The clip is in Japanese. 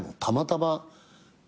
たまたま。